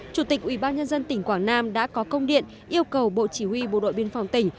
chủ tịch ubnd tỉnh quảng nam đã có công điện yêu cầu bộ chỉ huy bộ đội biên phòng tỉnh